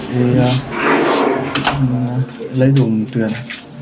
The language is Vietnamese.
để lấy dùng tuyển